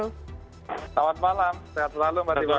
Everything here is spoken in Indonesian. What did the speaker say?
selamat malam sehat selalu mbak tiff